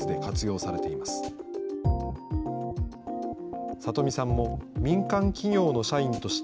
さとみさんも民間企業の社員として、